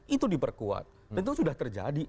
itu diperkuat dan itu sudah terjadi